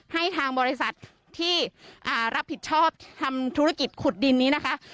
ให้ทางบริษัทที่รับผิดชอบทำธุรกิจขุดดินนี้นะคะ